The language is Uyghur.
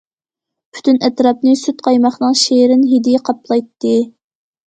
پۈتۈن ئەتراپنى سۈت قايماقنىڭ شېرىن ھىدى قاپلايتتى.